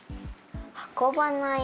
運ばない。